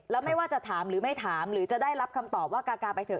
แล้วไม่ว่าจะถามหรือไม่ถามหรือจะได้รับคำตอบว่ากากาไปเถอ